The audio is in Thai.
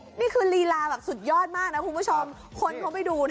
เนี้ยโอ้โหนี่คือลีลาแบบสุดยอดมากนะคุณผู้ชมคนเขาไปดูนะ